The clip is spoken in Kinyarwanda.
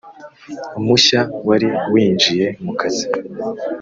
mushya wari winjiye mukazi.